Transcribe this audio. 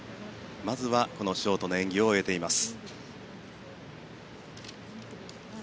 まずはこのショートの演技を終えています。